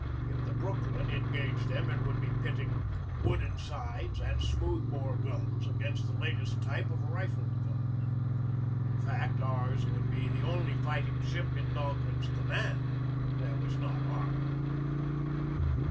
If the Brooklyn engaged them it would be pitting wooden sides and smooth bore guns against the latest type of rifled gun. In fact, ours would be the only fighting ship in Dahlgren's command that was not armored.